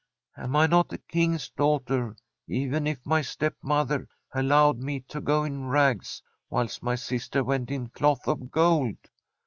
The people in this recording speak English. Am I not a King's daughter, even if my stepmother al lowed me to go in rags, whilst my sister went in cloth of gold